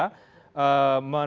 yang partai pembangunan p tiga